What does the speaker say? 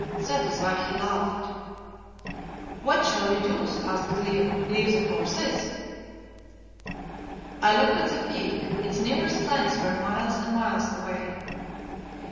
That is why he laughed." "What shall we do?" asked Leo. "Leave the horses?" I looked at the Peak. Its nearest flanks were miles and miles away.